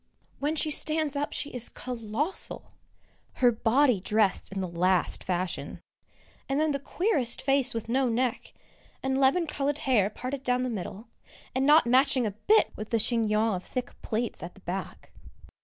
When she stands up she is colossal! Her body dressed in the last fashion, and then the queerest face with no neck, and lemon coloured hair parted down the middle, and not matching a bit with the chignon of thick plaits at the back.